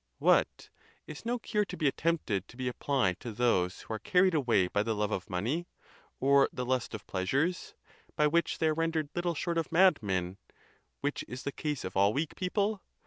What? is no cure to be attempted to be applied to those who are carried away by the love of money, or the lust of pleasures, by which they are rendered little short of madmen, which is the case of all weak people?